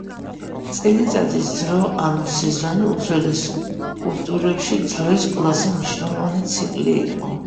წელიწადის დრო ანუ სეზონი უძველეს კულტურებში დროის ყველაზე მნიშვნელოვანი ციკლი იუო